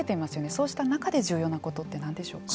そうした中で重要なことはなんでしょうか。